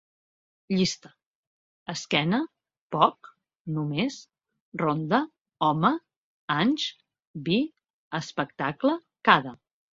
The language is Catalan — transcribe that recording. Llista: esquena, poc, només, ronda, home, anys, vi, espectacle, cada